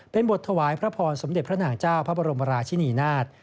เป็นบทถวายพระพรสมเด็จพระนางเจ้าพระบรมราชินีนาฏ